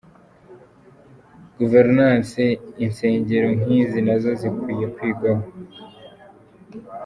GovernanceRw Insengero nk'izi nazo zikwiye kwigwaho pic.